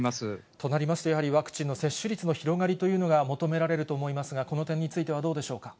となりますと、やはりワクチンの接種率の広がりというのが求められると思いますが、この点についてはどうでしょうか。